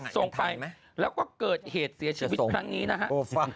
ส่งไปแล้วก็เกิดเหตุเสียชีวิตครั้งนี้นะครับ